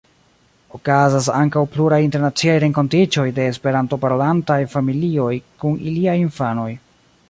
Okazas ankaŭ pluraj internaciaj renkontiĝoj de Esperanto-parolantaj familioj kun iliaj infanoj.